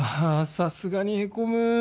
さすがにへこむ